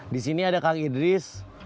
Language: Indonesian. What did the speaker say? di sini ada kang idris